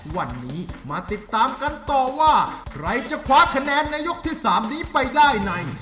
วันนี้มาติดตามกันต่อว่าใครจะคว้าคะแนนในยกที่๓นี้ไปได้ใน